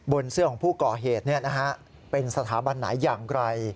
เสื้อของผู้ก่อเหตุเป็นสถาบันไหนอย่างไร